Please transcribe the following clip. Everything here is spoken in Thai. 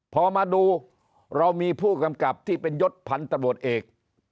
พอมาดูเรามีผู้กำกับที่เป็นยศพันธบทเอก